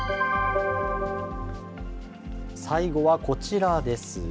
最後はこちらです。